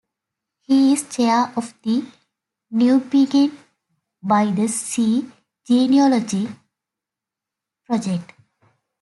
He is Chair of the Newbiggin by the Sea Genealogy Project.